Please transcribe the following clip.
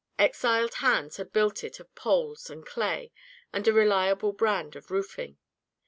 Exiled hands had built it of poles and clay and a reliable brand of roofing.